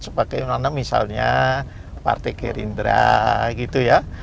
sebagai mana misalnya partai gerindra gitu ya